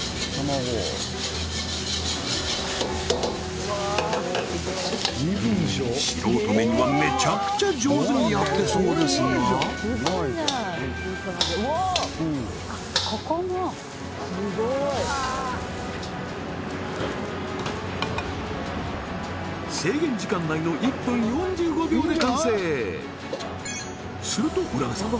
うん素人目にはめちゃくちゃ上手にやってそうですが制限時間内の１分４５秒で完成すると卜部さん